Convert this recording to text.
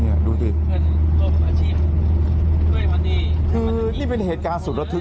เนี่ยดูสิเพื่อนพอดีคือนี่เป็นเหตุการณ์สุดระทึก